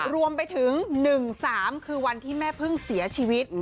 รวมไปถึง๑๓คือวันที่แม่พึ่งเสียชีวิต